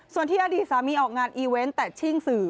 ส่วนที่อดีตสามีออกงานอีเวนต์แต่ชิ่งสื่อ